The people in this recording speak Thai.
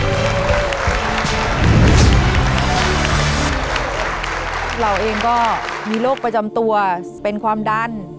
เราเองก็มีโรคประจำตัวเป็นความดัน